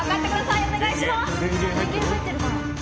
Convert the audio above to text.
お願いします。